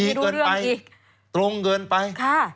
เกินไปตรงเกินไป